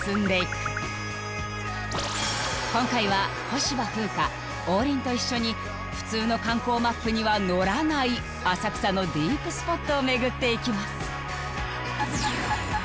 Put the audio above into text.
今回は小芝風花王林と一緒に普通の観光マップには載らない浅草のディープスポットを巡っていきます